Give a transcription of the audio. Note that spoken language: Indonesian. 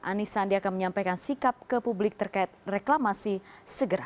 anies sandiaga menyampaikan sikap ke publik terkait reklamasi segera